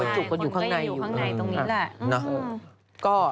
ใช่ค่ะคนก็ยังอยู่ข้างในตรงนี้แหละ